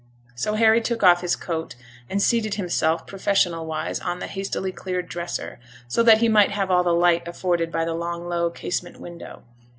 So Harry took off his coat, and seated himself professional wise on the hastily cleared dresser, so that he might have all the light afforded by the long, low casement window.